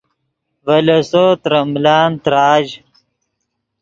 ڤے لیسو ترے ملان تراژ